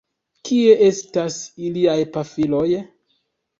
Kie estas iliaj pafiloj?